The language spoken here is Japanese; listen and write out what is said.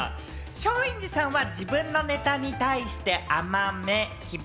松陰寺さんは自分のネタに対して、甘め？